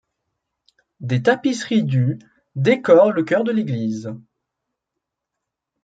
Des tapisseries du décorent le chœur de l'église.